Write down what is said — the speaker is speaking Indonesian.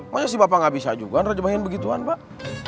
makanya si bapak nggak bisa juga nrejemahin begituan pak